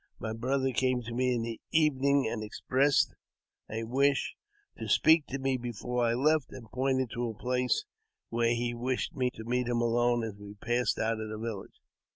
My brother came to me in the evening, and expressed a wish to speak to me before I left, and pointed to a place where he wished me to meet him alone as we passed out of the village.